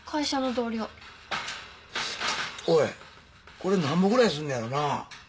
これ何ぼくらいすんのやろな？